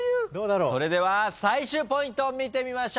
それでは最終ポイントを見てみましょう。